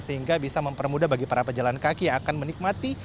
sehingga bisa mempermudah bagi para pejalan kaki yang akan menikmati